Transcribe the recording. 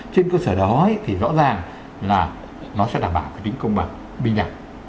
trên cơ sở đó thì rõ ràng là nó sẽ đảm bảo cái tính công bằng bình đẳng